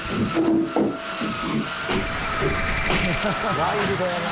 ワイルドやな！